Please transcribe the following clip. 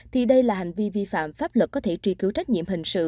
thì đây là hành vi vi phạm pháp luật có thể truy cứu trách nhiệm hình sự